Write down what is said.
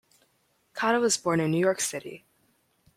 Kotto was born in New York City.